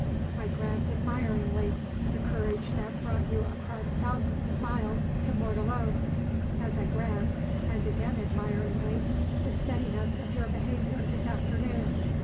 I grant admiringly the courage that brought you across thousands of miles to Mortallone, as I grant, and again admiringly, the steadiness of your behaviour this afternoon.